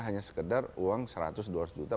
hanya sekedar uang seratus dua ratus juta